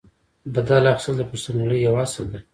بدل اخیستل د پښتونولۍ یو اصل دی.